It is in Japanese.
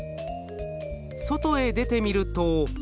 外へ出てみると。